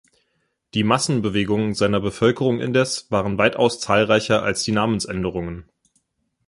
Die Massenbewegungen seiner Bevölkerung indes waren weitaus zahlreicher als die Namensänderungen.